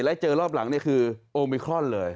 แล้วเจอรอบหลังนี่คือโอมิครอนเลย